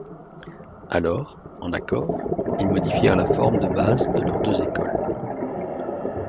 Alors, en accord, ils modifièrent la forme de base de leurs deux écoles.